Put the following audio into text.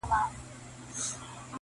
o وږی تږی د سل کالو په سل کاله نه مړېږم,